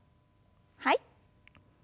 はい。